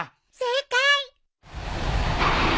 正解！